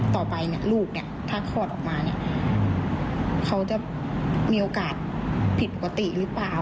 ต่อไปลูกถ้าคลอดออกมาเขาจะมีโอกาสผิดปกติหรือเปล่า